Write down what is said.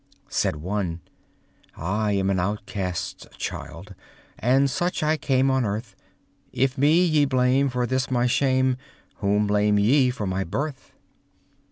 Said one: "I am an outcast's child, And such I came on earth. If me ye blame, for this my shame, Whom blame ye for my birth?"